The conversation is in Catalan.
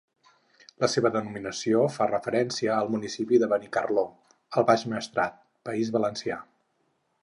La seva denominació fa referència al municipi de Benicarló, al Baix Maestrat, País Valencià.